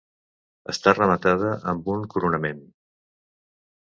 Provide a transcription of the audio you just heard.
Està rematada amb un coronament.